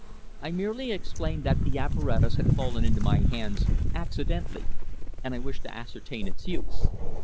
I merely explained that the apparatus had fallen into my hands accidentally and I wished to ascertain its use."